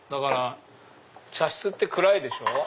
茶室って暗いでしょ。